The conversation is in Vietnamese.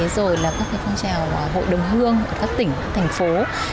rồi là các phong trào hội đồng hương ở các tỉnh thành phố